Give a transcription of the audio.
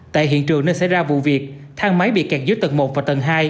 tại hiện trường nơi xảy ra vụ việc thang máy bị kẹt dưới tầng một và tầng hai